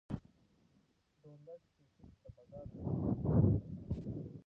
ډونلډ پېټټ له فضا بېرته ځمکې ته راستون شوی.